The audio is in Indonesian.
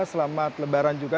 selamat lebaran juga